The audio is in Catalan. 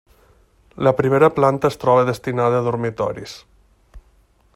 La primera planta es troba destinada a dormitoris.